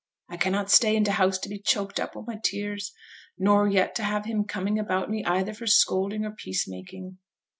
I cannot stay in t' house to be choked up wi' my tears, nor yet to have him coming about me either for scolding or peace making.'